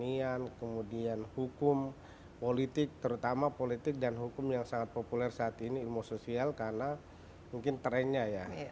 pertanian kemudian hukum politik terutama politik dan hukum yang sangat populer saat ini ilmu sosial karena mungkin trennya ya